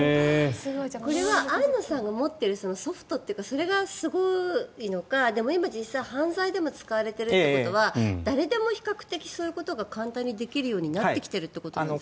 これは安野さんが持っているソフトというかそれがすごいのかでも今、実際、犯罪でも使われているということは誰でも比較的そういうことができるようになってきているってことですか。